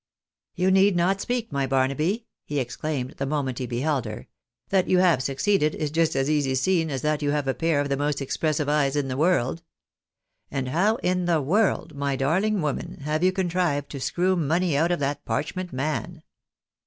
" You need not speak, my Barnaby !" he exclaimed, the moment he beheld her. " That you have succeeded, is just as easy seen as that you have a pair of the most expressive eyes in the world. And how in the world, my darling woman, have you contrived to screw money out of that parchment man